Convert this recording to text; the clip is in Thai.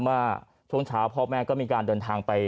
เมื่อช่วงเช้าพ่อแม่ก็มีการเดินทางไป